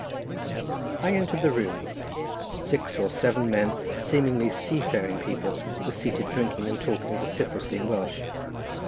I entered the room; six or seven men, seemingly sea faring people, were seated drinking and talking vociferously in Welsh.